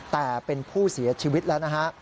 แต่เป็นผู้เสียชีวิตแล้วนะฮะ